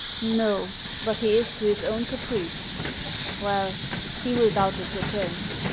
" No ; but he is to his own caprice. Well, he will doubt less return.